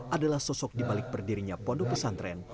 adalah sosok di balik berdirinya pondok pesantren